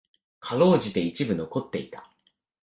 辛うじて一部残っていた。